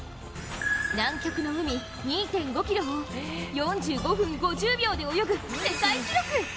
南極の海２．５ｋｍを、４５分５０秒で泳ぐ世界記録。